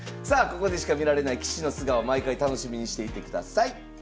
さあここでしか見られない棋士の素顔毎回楽しみにしていてください。